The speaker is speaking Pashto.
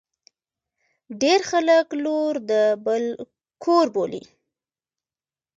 ډیر خلګ لور د بل کور بولي.